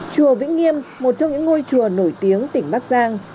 chùa vĩnh nghiêm một trong những ngôi chùa nổi tiếng tỉnh bắc giang